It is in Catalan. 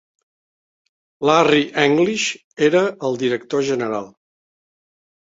Larry English era el director general.